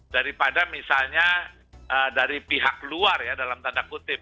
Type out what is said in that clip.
daripada misalnya dari pihak luar ya dalam tanda kutip